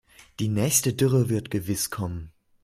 Die nächste Dürre wird gewiss kommen.